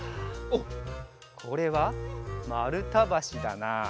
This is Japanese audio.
おっこれはまるたばしだな。